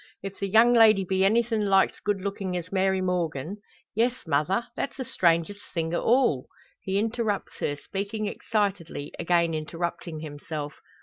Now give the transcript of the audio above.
If the young lady be anythin' like's good lookin' as Mary Morgan " "Yes, mother! that's the strangest thing o' all " He interrupts her, speaking excitedly; again interrupting himself.